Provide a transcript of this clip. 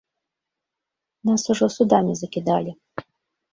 Нас ужо судамі закідалі.